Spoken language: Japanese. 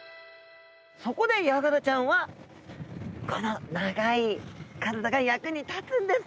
そこでヤガラちゃんはこの長い体が役に立つんですね。